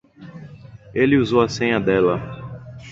Ele usou a senha dela.